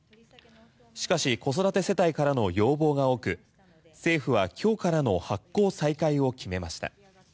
しかし子育て世帯からの要望が多く政府は今日からの発行再開を決めました。